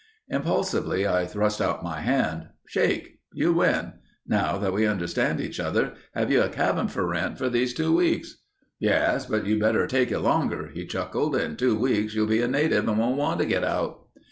Impulsively I thrust out my hand. "Shake. You win. Now that we understand each other, have you a cabin for rent for these two weeks?" "Yes, but you'd better take it longer," he chuckled. "In two weeks you'll be a native and won't want to get out."